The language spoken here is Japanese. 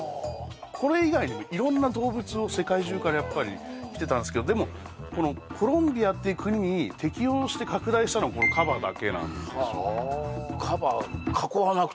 これ以外にも色んな動物を世界中から来てたんですけどでもコロンビアっていう国に適応して拡大したのはカバだけなんですよ